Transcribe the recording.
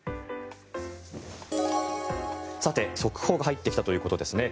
さて、速報が入ってきたということですね。